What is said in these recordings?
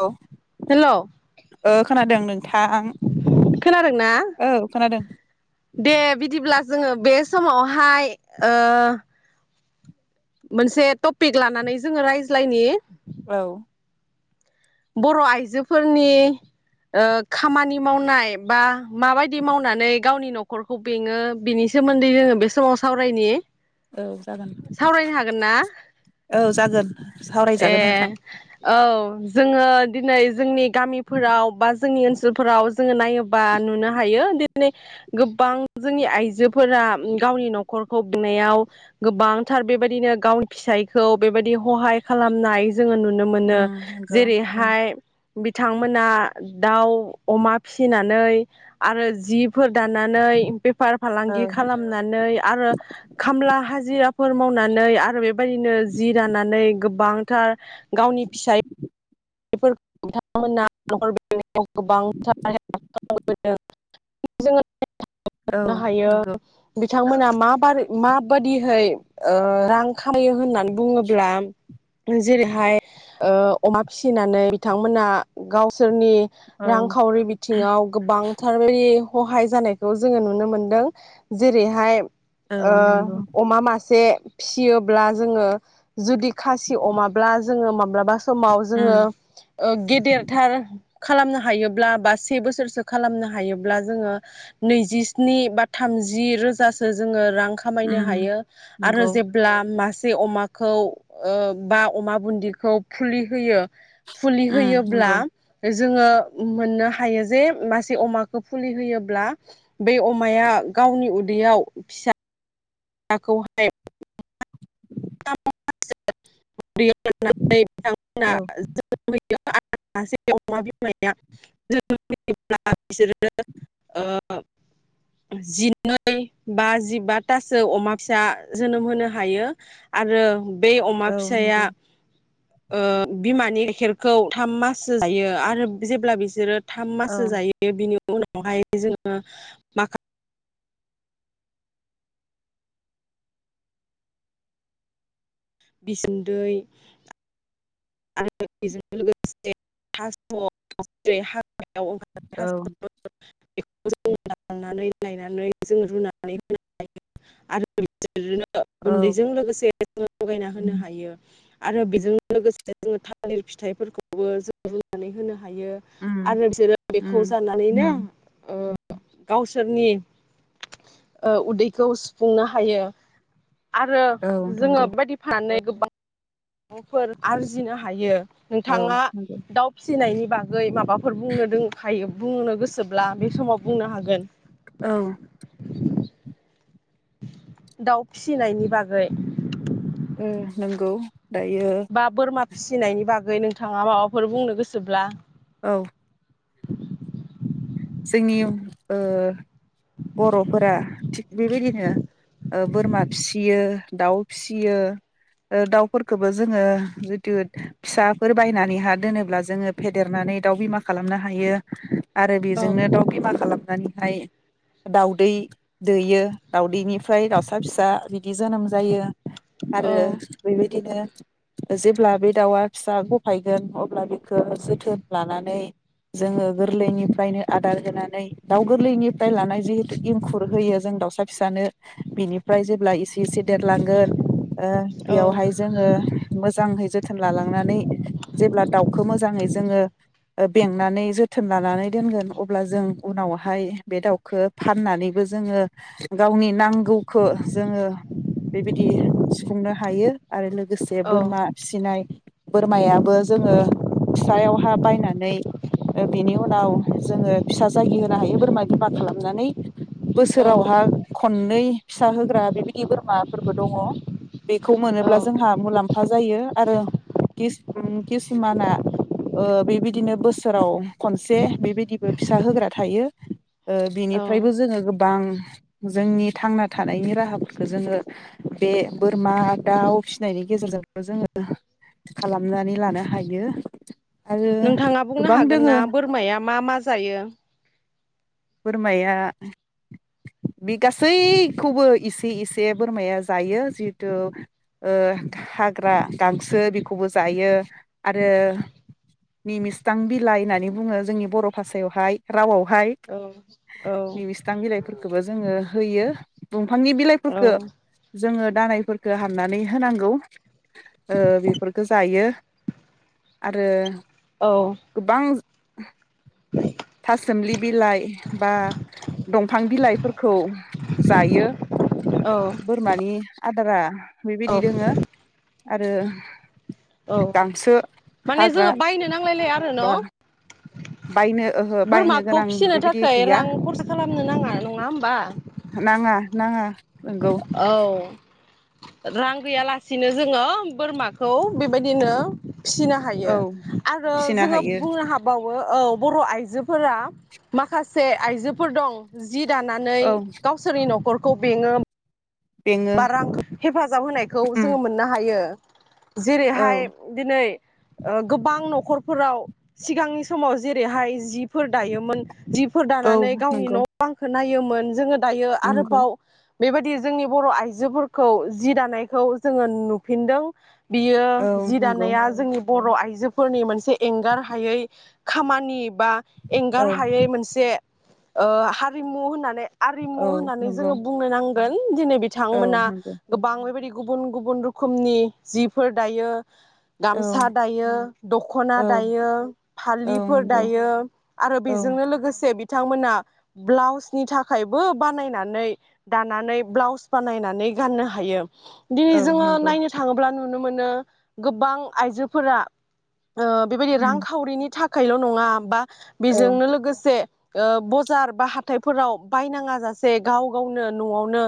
औ। हेलौ खोनादों नों। खोनादोंना औ खोनादों दे बिदिब्ला। जोङो बे समावहाय ओह। मोनसे टपिक लानानै जोङो रायज्लायनि। औ। बर' आइजोफोरनि खामानि मावनाय बा। माबायदि मावनानै। गावनि न'खरखौ बेङो बिनि सोमोन्दै जोङो बे समाव सावरायनि। औ जागोन सावरायनो हागोन ना औ जागोन ए सावरायजागोन नोंथां औ। जोङो दिनै जोंनि। गामिफोराव बा जोंनि ओनसोलफोराव जोङो नायोबा नुनो हायो। गोबां जोंनि आइजोफोरा गावनि न'खरखौ बेंनायाव गोबांथार बेबायदिनो गावनि फिसायखौ बेबायदि खहाय खालामनाय। जोङो नुनो मोनो। उम नंगौ उम जेरैहाय। बिथांमोना दाउ अमा फिसिनानै आरो जिब। फोर दानानै बेफार औ फालांगि खालामनानै आरो खामला हाजिराफोर मावनानै आरो बेबायदिनो जि दानानै गोब। बांथार गावनि फिसाय। [unintelligible] [unintelligible] मावदों जोङो। औ नुनो हायो नोंगौ। बिथांमोना मा। आरो माबायदिहोय ओ रां खामायो होननानै बुङोब्ला जेरैहाय ओ अमा फिसिनानै बिथांमोना गावसोरनि औ रांखावरि बिथिङाव गोबांथार बेबादि खहाय जानायखौ जोङो नुनो मोनदों जेरैहाय औ नंगौ ओ अमा मासे फिसियोब्ला जोङो जुदि खासि अमाब्ला जोङो माब्ला बा समाव जोङो उम ओ गेदेरथार खालामनो हायोब्ला बा से बोसोरसो खालामनो हायोब्ला जोङो नैजिस्नि बा थामजि रोजासो जोङो रां खामायनो उम हायो आरो नंगौ जेब्ला मास बे अमाखौ ओ बा अमा बुन्दिखौ फुलि होयो। [inaudible] फुलि उम होयोब्ला नंगौ जोङो मोननो हायो जे मासे अमाखौ फुलि होयोब्ला बै अमाया गावनि उदैयाव फिसा खौहाय [unintelligible] [unintelligible] औ [unintelligible] मासे अमा बिमाया बिसोरो ओ जिनै बा जिबातासो अमा फिसा जोनोम होनो हायो। आरो बे अमा औ फिसाया नंगौ ओ बिमानि गाइखेरखौ थाम माससो जायो आरो जेब्ला बिसोरो थाम औ माससो जायो बिनि उनावहाय जोङो माखा बिसोन्दै आरो बेजों लोगोसे थास [unintelligible] औ [unintelligible] बेखौ जों दाननानै लायनानै जों रुनानै होनो हायो आरो बिदिनो औ गुन्दैजों लोगोसे लगायना होनो हायो आरो बेजों लोगोसे जोङो थालिर फिथाइफोरखौबो जों रुनानै होनो हायो उम आरो बिसोरो बेखौ उम जानानैनो गावसोरनि उदैखौ सुफुंनो हायो। आरो औ जोङो नंगौ बायदि फाननानै [inaudible] न'फोर आरजिनो हायो। औ नोंथाङा नंगौ दाउ फि सिनायनि बागै मा बाफोर बुंनो दोंखायो बुंनो गोसोब्ला बे समाव बुंनो हागोन। औ [inaudible] दाउ फिसिनायनि बागै उम नंगौ। दायो बा बोरमा फिसिनायनि बाग गै नोंथाङा माबाफोर बुंनो गोसोब्ला औ जोंनि ओ बर'फोरा थिग बेबायदिनो बोरमा फिसियो दाउ फिसियो दाउफोरखौबो जोङो जितु फिसाफोर बायनानै हा दोनोब्ला जोङो फेदेरनानै दाउ बिमा खालामनो हायो आरो औ जोंनो दाउ बिमा खालाम दानिहाय दाउदै दैयो दाउदैनिफ्राय दाउसा फिसा बिदि जोनोम जायो। औ आरो बेबायदिनो जेब्ला बे दाउआ फिसा गफायगोन अब्ला बेखौ जोथोन लानानै जोङो गोरलैनिफ्रायनो आदार होनानै दाउ गोरलैनिफ्राय लानाय जिहेतु इंखुर होयो जों दाउसा फिसानो बिनिफ्राय जेब्ला एसे देरलांगोन ओ बेवहाय औ जोङो मोजांहै जो जोथोन लालांनानै जेब्ला दाउखौ मोजाङै जोङो बेंनानै जोथोन लानानै दोनगोन अब्ला जों उनावहाय बे दाउखौ फाननानैबो जोङो गावनि नांगौखौ जोङो बेबायदि सुफुंनो हायो आरो लोगो गोसे बोरमा फिसिनाय बोरमायाबो जोङो फिसायावहा बायनानै बिनि उनाव जोङो फिसा जागि होनो हायो बोरमा बिमा खालामनानै औ बोसोरावहा खननै फिसा होग्रा बेबायदि बोरमाफोरबो दङ। बेखौ औ मोनोब्ला जोंहा मुलाम्फा जायो आरो किसुमाना ओ बेबायदिनो बोसोराव खनसे बेबायदिबो फिसा होग्रा थायो ओ औ बिनिफ्रायबो जोङो गोब बां जोंनि थांना थानायनि राहाफोरखौ जोङो बे बोरमा दाउ फिसिनायनि गेजेरजोंबो जोङो खालामनानै लानो हायो आरो नोंथाङा बुंनो गोबां हागोन दोङो ना बोरमाया मा मा जायो? बोरमाया बे गासैखौबो इसे इसे बोरमाया जायो। जिहेतु ओ हाग्रा गांसो बेखौबो जायो। आरो निमिस्थां बिलाइ होननानै बुङो जोंनि बर भासायावहाय रावाव हाय औ औ मिसथांबिलाइ फोरखोबो जोङो होयो। बुं फांनि बिलाइफोरखो जोङो दानायफोरखौ हानानै होनांगौ ओ बेफोरफोरखौ जायो आरो औ गोबां [inaudible] थासुमलि बिलाइ बा दंफां बिलाइफोरखौ जायो बोरमानि आदारा बेबिदि दोङो आरो औ गांसो माने हाग्रा जोङो बायनो नांलायलाया आरो बा बायनो ओहो न' बायनो बोरमाखौ गोनां फिसिनो बेबायदि थाखाय गैया रां खरसा खालामनो नाङा नङा होमबा। नाङा नाङा नंगौ औ रां गैयालासिनो जोङो बोरमाखौ बेबायदिनो फिसिनो हायो औ आरो फिसिनो जोङो हायो बुंनो हाबाव वो औ बर' आइजोफोरा माखासे आइजोफोर दं जे जि दानानै औ गावसोरनि न'खरखौ बेङो। बेङो बा रां हेफाजाब होनायखौ उम जोङो मोननो हायो‌। औ जेरैहाय दिनै ओ गोबां न'ख न'खरफोराव सिगांनि समाव जेरैहाय जिफोर दायोमोन। जिफोर औ दानानै गावनि नंगौ न' बां होन नायोमोन जोङो दायो नंगौ आरोबाव। बेबायदि जोंनिआव बर' आइजोफोरखौ जि दानायखौ जोङो नुफिनदों। बियो औ जि नंगौ दानाया जोंनि बर' आइजोफोरनि मोनसे एंगार हायै खामानि। बा एंगार औ हायै मोनसे ओ हारिमु होननानै आरिमु औ होननानै नंगौ जोङो बुंनो नांग गोन दिनैब औ थांमोना नंगौ गोबां बेबायदि गुबुन गुबुन रोखोमनि जिफोर दायो। औ गामसा दायो दखना औ दायो औ फालिफोर नंगौ दायो आरो औ बेजोंनो लोगोसे बि थांमोना ब्लाउसनि थाखायबो बानायनानै दानानै ब्लाउस बानायनानै गाननो हायो। दिनै औ जोङो नंगौ नायनो थाङोब्ला नु नुनो मोनो गोबां आइजोफोरा ओ बेबायदि उम रांखावरिनि थाख खाइल नङा बा औ बेजोंनो लोगोसे ओ बजार बा हाथायफोराव बायनाङा जासे गाव गावनो नआवनो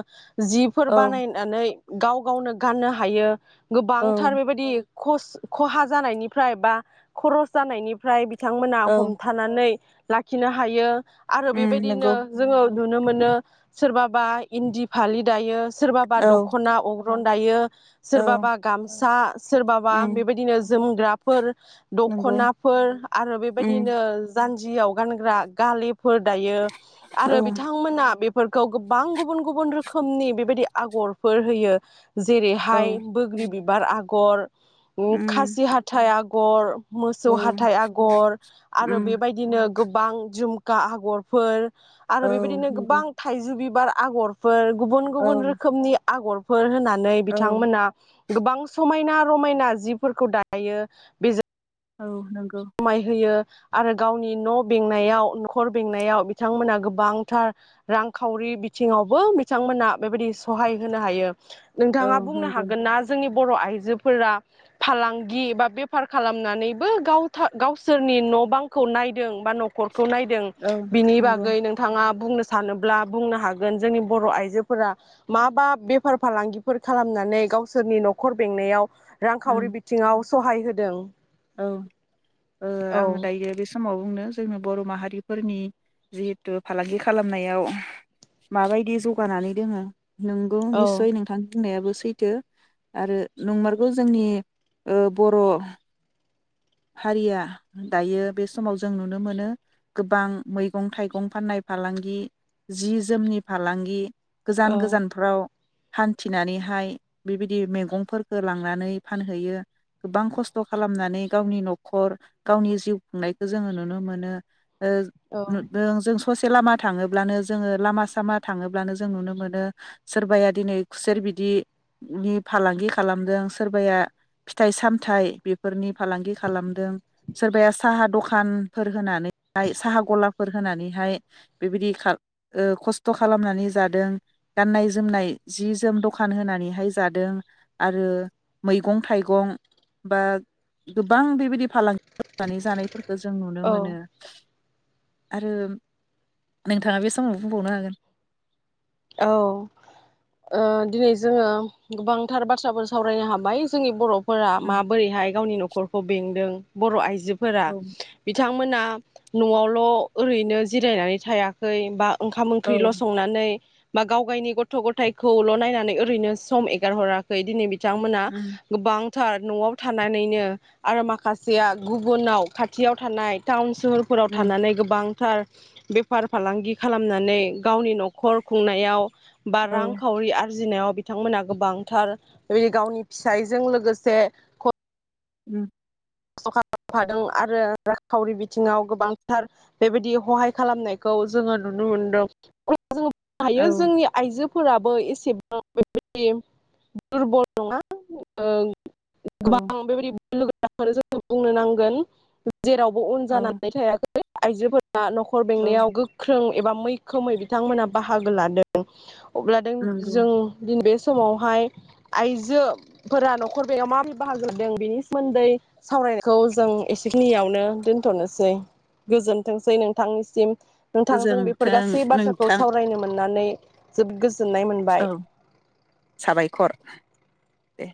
जिफोर औ बानायनानै गाव गावनो गाननो हायो औ गोबांथार बेबायदि खस खहा जानायनिफ्राय बा खरस जानायनिफ्राय बि थांमोना औ हमथानानै लाखिनो हायो आरो उम बेबायदिनो नंगौ जोङो नुनो मोनो सोरबाबा इन्दि फालि दायो सोरबाबा औ दखना अर रन दायो औ सोरबाबा गामसा सोरबाबा उम बेबायदिनो जोमग्राफोर नंगौ दखनाफोर आरो उम बेबायदिनो जान्जियाव गानग्रा गालिब फोर दायो औ आरो बिथांमोना बे फोरखौ गोबां गुबुन गुबुन रोख खोमनि बेबायदि आगरफोर होयो औ जेरैहाय बोग्रि बि बार आगर उम खासि हाथाइ आ गर‌ औ मोसौ हाथाइ आगर आरो उम बेबायदिनो गोबां जुमखा आगरफोर आरो औ बेबायदिनो नंगौ गोबां थाइजौ बि बार आगर फोर गुबुन औ गुबुन रोखोमनि आगरफोर होनानै नै औ बिथांमोना गोबां समायना रमायना जिफोरखौ दायो बेजों औ नंगौ समाय होयो आरो गावनि न' बेंनायाव न'खर बेंनायाव बिथांमोना गोबांथार रांखावरि बिथिङावबो बिथांमोना बेबायदि सहाय होनो हायो। औ नोंथाङा बुंनो नंगौ हागोन ना जोंनि बर' आइजोफोरा फालांगि बा बेफार खालामनानैबो गाव गावसोरनि न' बांखौ नायदों बा न'खर खौ नायदों औ बिनि नंगौ बागै नोंथाङा बुंनो सानोब्ला बुंनो हागोन जोंनि बर' आइजोफोरा माबा बेफार फालांगिफोर खालामनानै गावसोरनि न'खर बेंनायाव रांखावरि उम बिथिङाव सहाय होदों? औ ओ औ आं दायो बे सम आसामाव बुंनो जोङो बर' माहारिफोरनि जिहेथु फालांगि खालामनायाव माबायदि जौगानानै दोङो नोंगौ औ निस्सय नोंथांनि बुंनायाबो सैथो आरो नंमारगौ जोंनि ओ बर' हारिया दायो बे समाव जों नुनो मोनो गोबां मैगं थाइगं फाननाय फालांगि जि जोमनि फालांगि औ गोजान गोजानफ्राव हान्थिनानैहाय बेबायदि मैगंफोरखौ लांनानै फानहैयो गोबां खस्थ' खालामनानै गावनि न'खर गावनि जिउ खुंनायखौ जोङो नुनो मोनो ओ औ नुदों जों ससे लामा थाङोब्लानो जोङो लामा सामा थाङोब्लानो जों नुनो मोनो सोरबाया दिनै खुसेर बिदिनि फालांगि खालामदों सोरबाया फिथाइ सामथाइ बेफोरनि फालांगि खालामदों सोरबाया साहा दखानफोर होनानै हाय साहा गला फोर होनानैहाय बेबायदि खा ओ खस्थ' खालामनानै जादों गाननाय जोमनाय जि जोम दखान होनानैहाय जादों आरो मैगं थाइगं बा गोबां बेबायदि फालांगि खालामनानै जानायफोर खो जों नुनो मोनो। औ आरो नोंथाङा बे समाव बुंबावनो हागोन औ ओ दिनै जोङो गोबांथार बाथ्राफोर सावरायनो हाबाय जोंनि बर'फ फोरा हागोन माबोरैहाय गावनि नख न'खरखौ बेंदों बर' आइज जोफोरा औ बिथां थांमोना न'आवल ओरैनो जिरायनानै थायाखै बा ओंखाम ओंख्रिल औ संनानै बा गावगायनि गथ' गथायखौल नायनानै ओरैनो सम एगार हराखै दिनै बिद थांमोना उम गोबां थार न'आव थानानैनो आरो माखासेया गुबुनाव खाथियाव थानाय टाउन सोहोरफोराव उम थानानै गोबां थार बेफार फालांगि खालामनानै गावनि न'खर खुंनायाव। बा औ रां खावरि आर बुजिनायाव बिथांमोनहा गोबांथार बेबायदि गावनि फिसायजों लोगोसे ख उम खस्ट खालामफादों आरो रांखावरि बिथिङाव गोबांथार बेबायदि खहाय खालामनायखौ जोङो नुनो मोनदों जो बुंनो हायो औ जोंनि आइजो फोराबो एसेबां बेदि दुरबल नङा ओं औ गोबां बेबादि [unintelligible] आरो जों बुंनो नांगोन जेरावबो अन औ जानानै थायाखै बे आइजोफोर दा न'खर औ बेंनायाव गोख्रों एबा मैखोमै बिथांमोनहा बाहागो लादों। अब्ला दों नंगौ जों दिन बेस समावहाय आइजोफोरा न'खर बेयाव माबोरै बाहागोदों बेनि सोमोन्दै। सावरायनायखौ जों एसेखिनियावनो दोनथ'नोसै गोजोनथोंसै नोंथांनिसिम। नोंथांजों बेफोर गोजोनथों गासै बाथ्राखौ नोंथां सावरायनो मोननानै। जोब गोस औ साबायखर। दे।